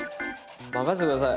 任せて下さい。